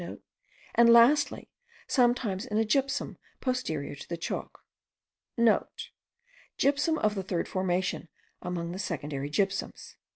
and lastly, sometimes in a gypsum* posterior to the chalk. (* Gypsum of the third formation among the secondary gypsums.